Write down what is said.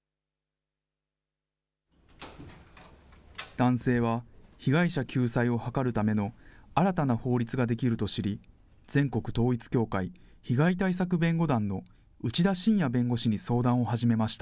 男性は、被害者救済を図るための新たな法律ができると知り、全国統一教会被害対策弁護団の内田信也弁護士に相談を始めました。